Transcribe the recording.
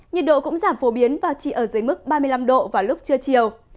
nhiệt độ cũng giảm phổ biến và chỉ ở dưới mức ba mươi năm độ vào lúc trưa chiều